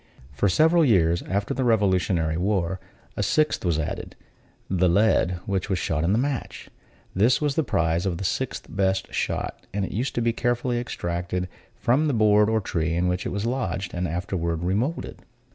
For several years after the revolutionary war, a sixth was added: the lead which was shot in the match. This was the prize of the sixth best shot; and it used to be carefully extracted from the board or tree in which it was lodged, and afterward remoulded.